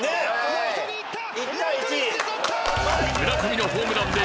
ライトにいった！